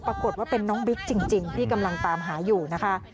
ปรากฏว่าเป็นน้องบิ๊กจริงที่กำลังตามหาอยู่นะคะ